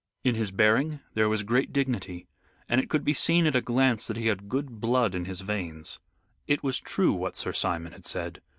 In his bearing there was great dignity, and it could be seen at a glance that he had good blood in his veins. It was true what Sir Simon had said.